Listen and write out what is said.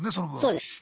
そうです。